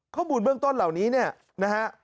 ข้อมูลเบื้องต้นเหล่านี้เนี่ยนะฮะ